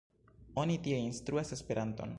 Oni tie instruas Esperanton.